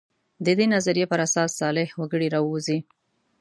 د دې نظریې پر اساس صالح وګړي راووځي.